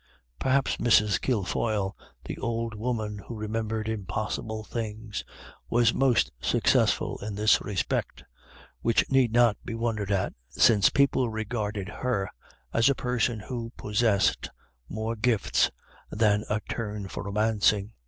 Perhaps Mrs. Kilfoyle, the old woman who re membered impossible things, was most successful in this respect ; which need not be wondered at, since people regarded her as a person who pos sessed more gifts than a turn for romancing.